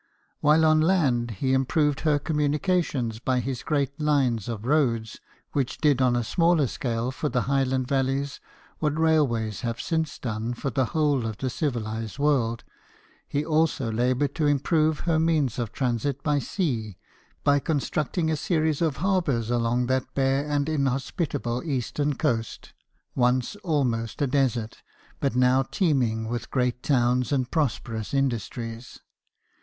While on land, he improved her communications by his great lines of roads, which did on a smaller scale for the Highland valleys what railways have since done for the whole of the civilized world ; he also laboured to improve her means of transit at sea by constructing a series of harbours along that bare and inhospitable eastern coast, once almost a desert, but now teeming with great towns and prosperous industries.